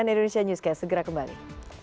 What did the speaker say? cnn indonesia newscast segera kembali